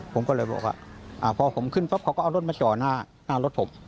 ผมก็เลยบอกว่าพอผมขึ้นปั๊บเขาก็เอารถมาจ่อหน้ารถผม